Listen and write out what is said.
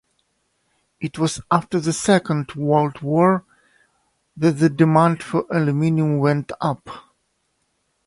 It was after the Second World War that the demand for aluminium went up.